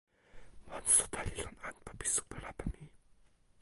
monsuta li lon anpa pi supa lape mi.